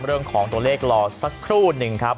เรื่องของตัวเลขรอสักครู่หนึ่งครับ